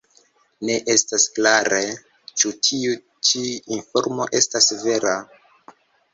Ne estas klare, ĉu tiu ĉi informo estas vera.